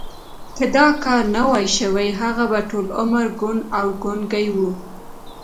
که دا کار نه وای شوی هغه به ټول عمر کوڼ او ګونګی و